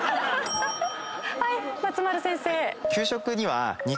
はい松丸先生。